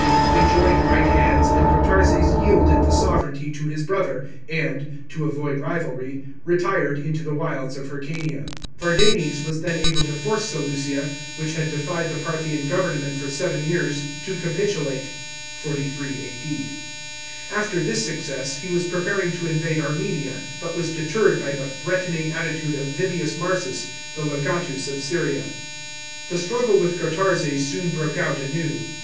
They joined right hands, and Gotarzes yielded the sovranty to his brother, and, to avoid rivalry, retired into the wilds of Hyrcania. Vardanes was then able to force Seleucia, which had defied the Parthian government for seven ytars, to capitulate (43 A.D.). After this success, he was preparing to invade Armenia, but was deterred by the threatening attitude of Vibius Marsus the legatus of Syria. The Strug le with Gotarzes soon broke out anew.